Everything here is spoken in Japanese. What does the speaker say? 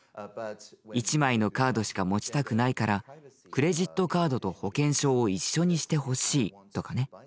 １枚のカードしか持ちたくないからクレジットカードと保険証を一緒にしてほしいとかね。